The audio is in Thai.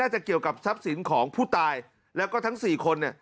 จะเกี่ยวกับทรัพย์สินของผู้ตายแล้วก็ทั้งสี่คนเนี่ย